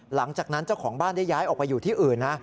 หลังจากนั้นเจ้าของบ้านได้ย้ายออกไปอยู่ที่อื่นนะ